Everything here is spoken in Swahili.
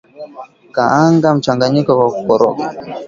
Kaanga mchanganyiko kwa kukoroga